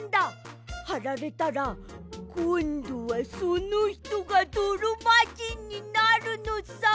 はられたらこんどはそのひとがどろまじんになるのさ。